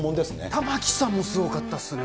玉城さんもすごかったっすね。